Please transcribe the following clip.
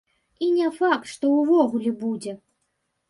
І не факт, што ўвогуле будзе.